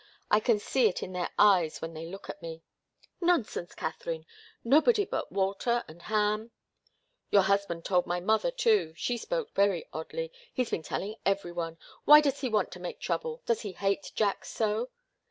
"I can see it in their eyes when they look at me." "Nonsense, Katharine nobody but Walter and Ham " "Your husband told my mother, too. She spoke very oddly. He's been telling every one. Why does he want to make trouble? Does he hate Jack so?"